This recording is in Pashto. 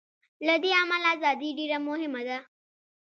له دې امله ازادي ډېره مهمه ده.